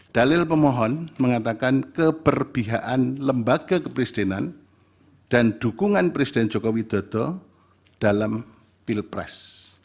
dalil pemohon mengatakan keperbihaan lembaga kepresidenan dan dukungan presiden joko widodo dalam pilpres